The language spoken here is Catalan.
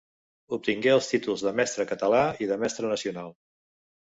Obtingué els títols de Mestre Català i de Mestre Nacional.